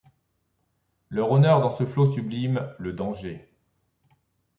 Leur honneur dans ce flot sublime, le danger ;